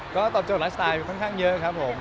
ก็ตอบโจทย์ไลฟ์สไตล์ค่อนข้างเยอะครับผม